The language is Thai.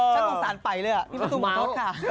ฉันสงสารไปเลยอ่ะที่ประตูมขอโทษค่ะ